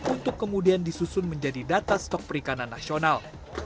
untuk kemudian disusun menjadi data stok perikanan nasional